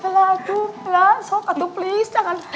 bella aduh bella sok aduh please jangan